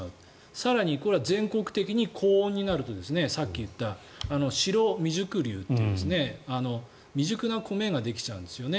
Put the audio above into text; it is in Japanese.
更にこれは全国的に高温になるとさっき言った白未熟粒という未熟な米ができちゃうんですよね。